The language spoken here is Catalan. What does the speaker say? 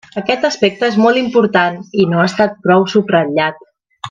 Aquest aspecte és molt important i no ha estat prou subratllat.